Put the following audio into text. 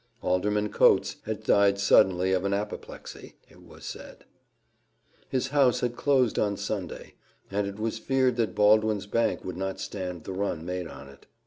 Alderman Coates had died suddenly of an apoplexy, it was said: his house had closed on Saturday; and it was feared that Baldwin's bank would not stand the run made on it."